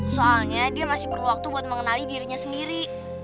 soalnya dia masih perlu waktu buat mengenali dirinya sendiri